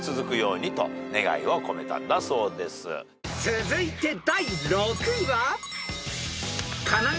［続いて第６位は］